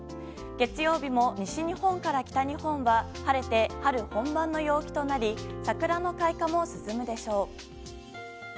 月曜日も西日本から北日本は晴れて春本番の陽気となり桜の開花も進むでしょう。